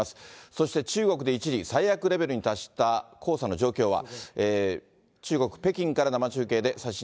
そして中国で一時、最悪レベルに達した黄砂の状況は。